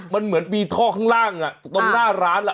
มันเหมือนมีท่อข้างล่างตรงหน้าร้านล่ะ